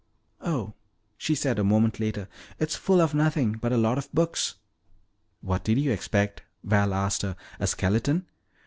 "Oh," she said a moment later, "it's full of nothing but a lot of books." "What did you expect," Val asked her, "a skeleton?